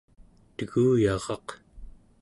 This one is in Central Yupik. teguyaraq